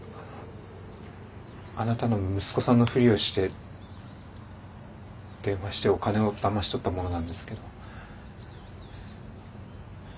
あなたの息子さんのフリをして電話してお金をだまし取った者なんですけど。